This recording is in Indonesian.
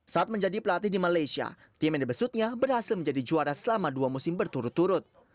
saat menjadi pelatih di malaysia tim yang dibesutnya berhasil menjadi juara selama dua musim berturut turut